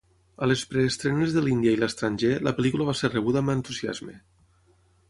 A les preestrenes de l'Índia i l'estranger, la pel·lícula va ser rebuda amb entusiasme.